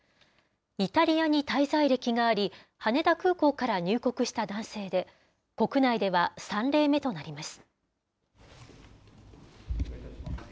イタリアに滞在歴があり、羽田空港から入国した男性で、国内では３例目となります。